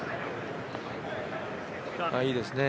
いいですね。